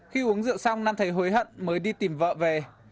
khi uống rượu xong nam thấy hối hận mới đi tìm vợ về